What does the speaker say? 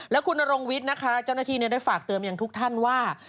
แล้วคุณนรงวิทย์นะคะเจ้าหน้าที่ได้ฝากเตือนอย่างทุกท่านว่า